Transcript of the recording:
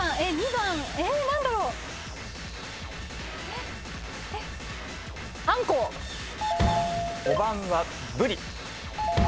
５番はブリ。